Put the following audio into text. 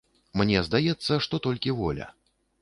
Мне здаецца, што толькі воля.